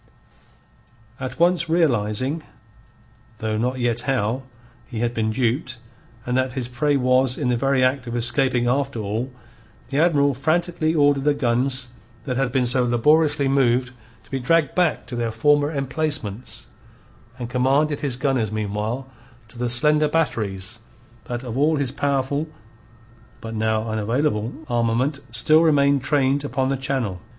At once realizing though not yet how he had been duped, and that his prey was in the very act of escaping after all, the Admiral frantically ordered the guns that had been so laboriously moved to be dragged back to their former emplacements, and commanded his gunners meanwhile to the slender batteries that of all his powerful, but now unavailable, armament still remained trained upon the channel.